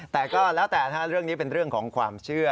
แต่ก็แล้วแต่เรื่องนี้เป็นเรื่องของความเชื่อ